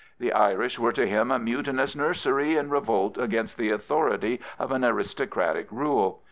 The Irish were to him a mutinous nujsery in revolt against the authority of an aristocratic rule.